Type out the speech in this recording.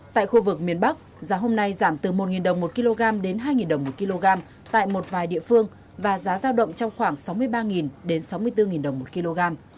tại khu vực miền bắc giá hôm nay giảm từ một đồng một kg đến hai đồng một kg tại một vài địa phương và giá giao động trong khoảng sáu mươi ba đến sáu mươi bốn đồng một kg